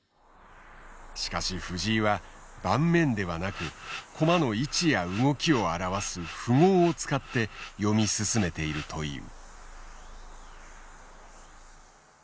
しかし藤井は盤面ではなく駒の位置や動きを表す符号を使って読み進めているという。